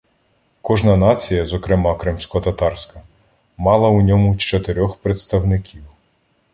Кожна нація, зокрема кримськотатарська, мала у ньому чотирьох представників.